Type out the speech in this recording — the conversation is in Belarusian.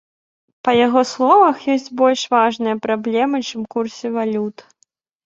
Па яго словах, ёсць больш важныя праблемы, чым курсы валют.